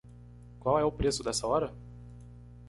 Qual é o preço dessa hora?